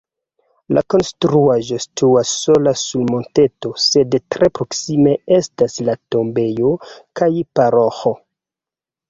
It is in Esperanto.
La konstruaĵo situas sola sur monteto, sed tre proksime estas la tombejo kaj paroĥo.